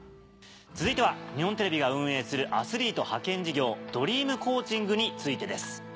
続いては日本テレビが運営するアスリート派遣事業「ドリームコーチング」についてです。